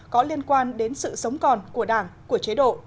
có liên quan đến sự sống còn của đảng của chế độ